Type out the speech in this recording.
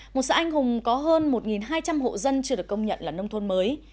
một xã anh hùng có hơn một hai trăm linh hộ dân chưa được công nhận là nông thôn mới